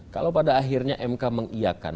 kalau pada akhirnya mk mengiakan